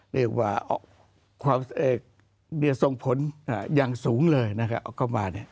เรียกว่าส่งผลอย่างสูงเลยนะครับออกมา